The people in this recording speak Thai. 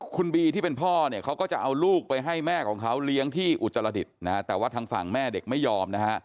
คุณบีที่เป็นพ่อเนี่ยเขาก็จะเอาลูกไปให้แม่ของเขาเลี้ยงที่อุตรดิษฐ์นะฮะแต่ว่าทางฝั่งแม่เด็กไม่ยอมนะฮะ